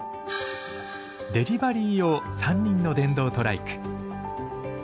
デリバリー用３輪の電動トライク。